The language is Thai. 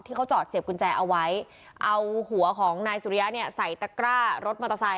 ที่เขาจอดเสียบกุญแจเอาไว้เอาหัวของนายสุริยะเนี่ยใส่ตะกร้ารถมอเตอร์ไซค